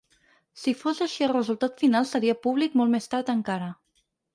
Si fos així el resultat final seria públic molt més tard encara.